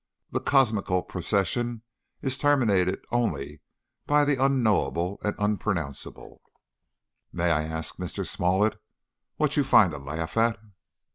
The cosmical procession is terminated only by the unknowable and unpronounceable' "May I ask, Mr. Smollett, what you find to laugh at?"